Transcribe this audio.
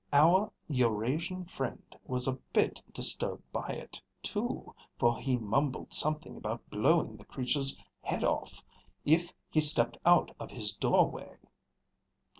Our Eurasian friend was a bit disturbed by it, too, for he mumbled something about blowing the creature's head off if he stepped out of his doorway."